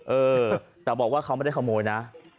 เออแต่บอกว่าเขาไม่ได้ขโมยนะ